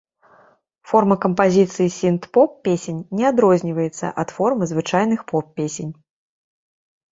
Форма кампазіцыі сінт-поп песень не адрозніваецца ад формы звычайных поп-песень.